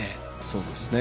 そうですね。